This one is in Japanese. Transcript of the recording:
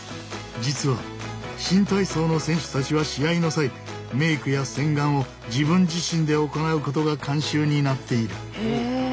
実は新体操の選手たちは試合の際メイクや洗顔を自分自身で行うことが慣習になっている。